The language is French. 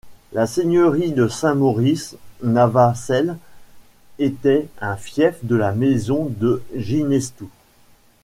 La seigneurie de Saint-Maurice-Navacelles était un fief de la maison de Ginestous.